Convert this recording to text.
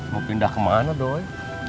mau pindah kemana doi